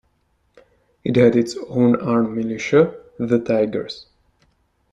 It had its own armed militia, the Tigers.